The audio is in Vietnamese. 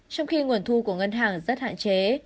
trong khi nguồn thu của ngân hàng rất hạn chế